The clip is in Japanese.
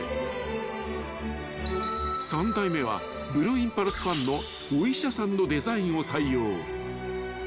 ［三代目はブルーインパルスファンのお医者さんのデザインを採用］